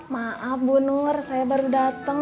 maaf bu nur saya baru datang